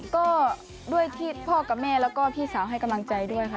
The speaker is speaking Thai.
ก็ด้วยที่พ่อกับแม่แล้วก็พี่สาวให้กำลังใจด้วยค่ะ